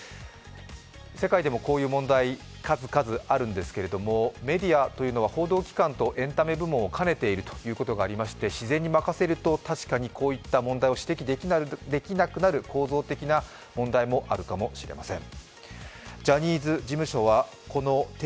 世界でもこういう問題、数々あるんですけれども、メディアというのは報道機関とエンタメ部門を兼ねているというところがありまして自然に任せると確かにこういった問題を指摘できなくなる構造的な問題もあるかもしれません。